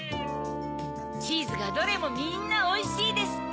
チーズが「どれもみんなおいしいです」って。